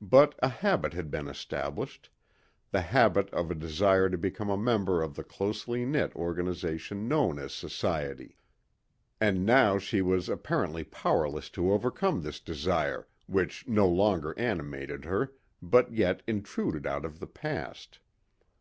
But a habit had been established, the habit of a desire to become a member of the closely knit organization known as Society. And now she was apparently powerless to overcome this desire which no longer animated her but yet intruded out of the past.